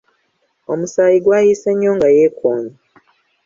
Omusaayi gwayiise nnyo nga yeekoonye.